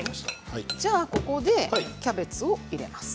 ここでキャベツを入れます。